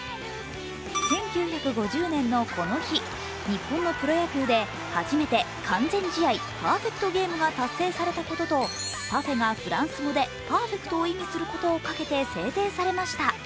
１９５０年のこの日、日本のプロ野球で初めて完全試合＝パーフェクトゲームが達成されたこととパフェがフランス語でパーフェクトを意味することをかけて制定されました。